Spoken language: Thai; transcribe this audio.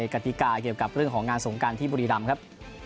กติกาเกี่ยวกับเรื่องของงานสงการที่บุรีรำครับ